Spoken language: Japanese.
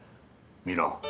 見ろ。